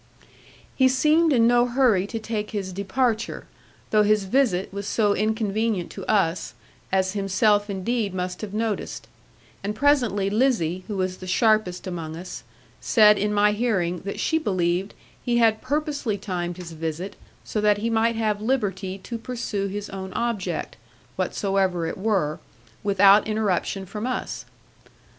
He seemed in no hurry to take his departure, though his visit was so inconvenient to us, as himself indeed must have noticed: and presently Lizzie, who was the sharpest among us, said in my hearing that she believed he had purposely timed his visit so that he might have liberty to pursue his own object, whatsoever it were, without interruption from us.